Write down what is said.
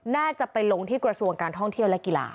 น่าจะไปลงที่กระทรวงการท่องเที่ยวและกีฬา